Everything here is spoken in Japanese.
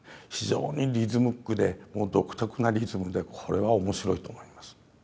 非常にリズミックで独特なリズムでこれは面白いと思います。